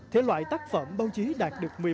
thể loại tác phẩm báo chí đạt được